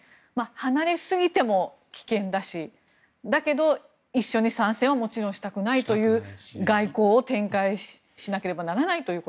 離れすぎても危険だしだけど、一緒に参戦はもちろんしたくないという外交を展開しなければならないという。